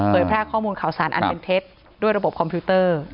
แพร่ข้อมูลข่าวสารอันเป็นเท็จด้วยระบบคอมพิวเตอร์